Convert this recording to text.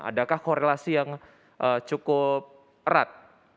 adakah korelasi yang cukup erat